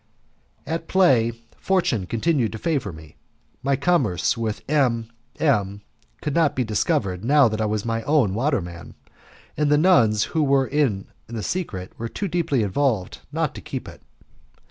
At play fortune continued to favour me; my commerce with M M could not be discovered now that I was my own waterman; and the nuns who were in the secret were too deeply involved not to keep it.